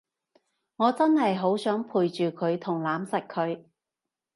我真係好想陪住佢同攬實佢